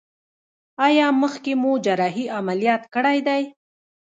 ایا مخکې مو جراحي عملیات کړی دی؟